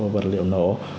vật liệu nổ